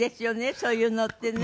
そういうのってね